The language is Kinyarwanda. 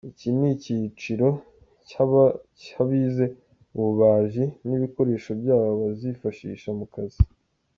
Icyi ni icyiciro cy’abize ububaji n’ibikoresho byabo bazifashisha mu kazi.